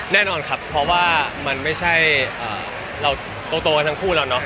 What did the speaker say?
แน่นอนครับเพราะว่ามันไม่ใช่เราโตกันทั้งคู่แล้วเนาะ